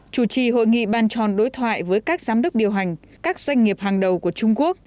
chủ trì hội nghị bàn tròn đối thoại với các giám đốc điều hành các doanh nghiệp hàng đầu của trung quốc